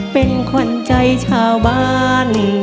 เป็นขวัญใจชาวบ้าน